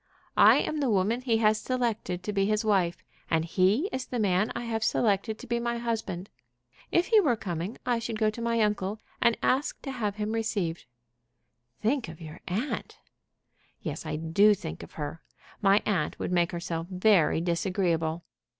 I am the woman he has selected to be his wife, and he is the man I have selected to be my husband. If he were coming I should go to my uncle and ask to have him received." "Think of your aunt." "Yes; I do think of her. My aunt would make herself very disagreeable.